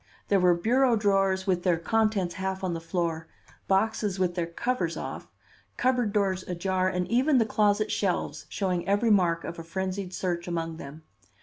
There were bureau drawers with their contents half on the floor, boxes with their covers off, cupboard doors ajar and even the closet shelves showing every mark of a frenzied search among them.